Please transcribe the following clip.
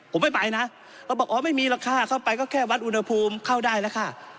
ผมไม่ไปนะเขาบอกอ๋อไม่มีหรอกค่ะเข้าไปก็แค่วัดอุณหภูมิเข้าได้แล้วค่ะ